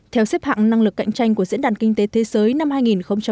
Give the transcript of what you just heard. theo xếp hạng năng lực cạnh tranh của diễn đàn kinh tế thế giới năm hai nghìn một mươi chín